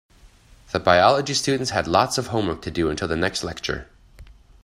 The biology students had lots of homework to do until the next lecture.